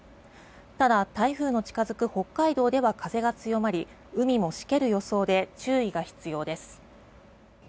ただ、台風の近付く北海道では風が強まり海もしける予想で注意が必要です。